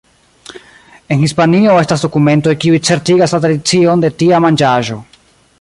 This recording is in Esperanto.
En Hispanio estas dokumentoj kiuj certigas la tradicion de tia manĝaĵo.